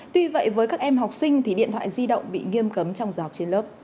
tuy vậy với các em học sinh thì điện thoại di động bị nghiêm cấm trong giáo học trên lớp